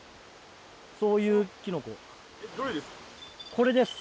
これです。